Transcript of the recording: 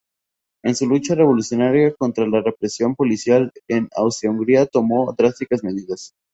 En su lucha revolucionaria contra la represión policial en Austria-Hungría tomó drásticas medidas.